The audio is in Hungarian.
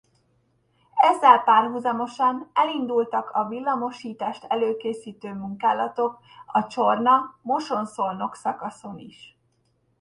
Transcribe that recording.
Ezzel párhuzamosan elindultak a villamosítást előkészítő munkálatok a Csorna-Mosonszolnok szakaszon is.